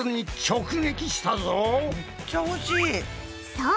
そう！